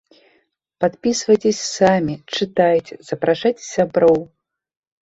Падпісвайцеся самі, чытайце, запрашайце сяброў!